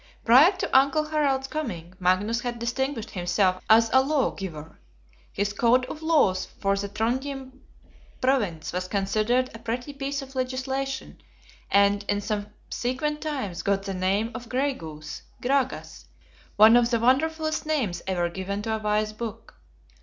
Prior to Uncle Harald's coming, Magnus had distinguished himself as a Lawgiver. His Code of Laws for the Trondhjem Province was considered a pretty piece of legislation; and in subsequent times got the name of Gray goose (Gragas); one of the wonderfulest names ever given to a wise Book.